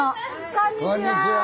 こんにちは！